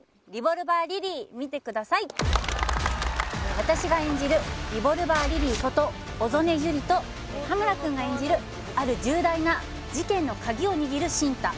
私が演じるリボルバー・リリーこと小曾根百合と羽村くんが演じるある重大な事件のカギを握る慎太